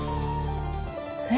えっ。